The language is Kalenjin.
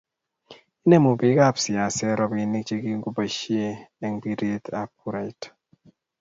inemu biikap siaset robinik chegiboishen eng kepiree kurait